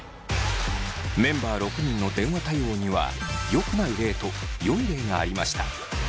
メンバー６人の電話対応にはよくない例とよい例がありました。